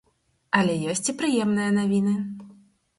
Але ёсць і прыемныя навіны.